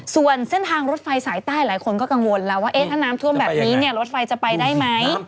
ส่วนเส้นทางรถไฟสายใต้หลายคนก็กังวลแล้วว่าถ้าน้ำท่วมแบบนี้เนี่ยรถไฟจะไปได้ไหม